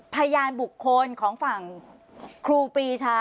พยานบุคคลของฝั่งครูปรีชา